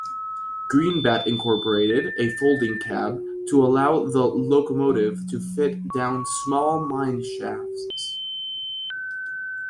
Greenbat incorporated a folding cab, to allow the locomotive to fit down small mineshafts.